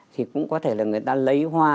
thì cũng có thể là người ta lấy hoa